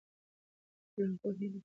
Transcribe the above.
د ټولنپوهنې عملي ګټې ډېرې دي.